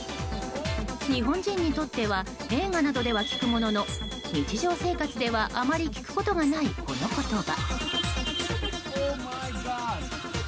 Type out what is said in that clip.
日本人にとっては映画などでは聞くものの日常生活ではあまり聞くことがないこの言葉。